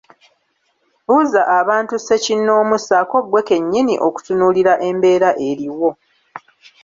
Buuza abantu sekinnoomu ssaako ggwe kennyini okutunuulira embeera eriwo.